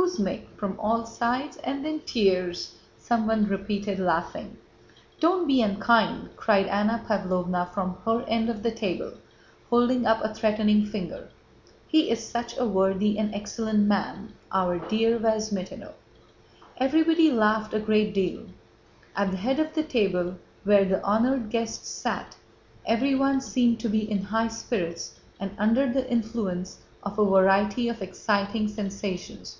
"Kuzmích... From all sides... and then tears," someone repeated laughing. "Don't be unkind," cried Anna Pávlovna from her end of the table holding up a threatening finger. "He is such a worthy and excellent man, our dear Vyazmítinov...." Everybody laughed a great deal. At the head of the table, where the honored guests sat, everyone seemed to be in high spirits and under the influence of a variety of exciting sensations.